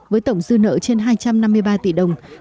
với tổng dư nợ trên hai trăm năm mươi ba tỷ đồng